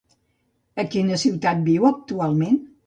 A quina ciutat viu actualment?